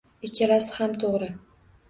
Ikkalasi ham toʻgʻri